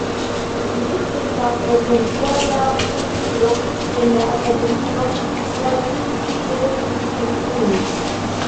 Ĉu mi en la eventuala kunsido de la Akademio kuraĝus tiel min esprimi?